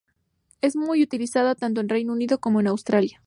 Es muy utilizada tanto en Reino Unido como Australia.